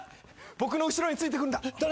僕の後ろについてくるんだ。